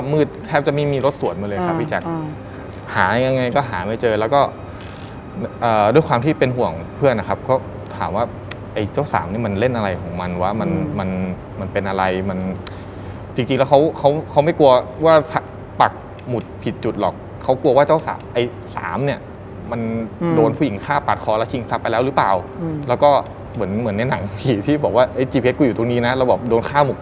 มันไม่มายกแป๊งอะไรอย่างนี้ใช่ไหม